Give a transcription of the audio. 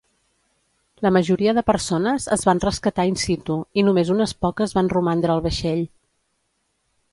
La majoria de persones es van rescatar in situ i només unes poques van romandre al vaixell.